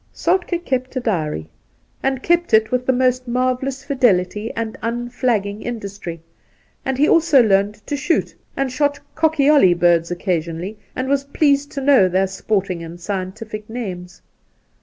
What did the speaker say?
. Soltkd kept a diary, and kept it with the most marvellous fidelity and unflagging industry, and he also learned to shoot, and shot cockyoUy birds occasionally, and was pleased to know their sport ing and scientific names.